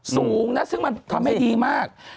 สูงนะซึ่งมันทำให้ดีมาก